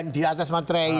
di atas materai